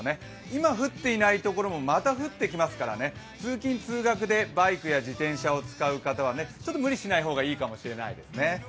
今降っていないところもまた降ってきますから通勤通学でバイクや自転車を使う方はちょっと無理しない方がいいかもしれないですね。